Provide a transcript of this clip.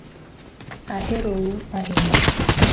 Ahero u ahinya